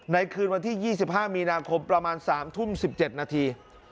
คืนวันที่๒๕มีนาคมประมาณ๓ทุ่ม๑๗นาที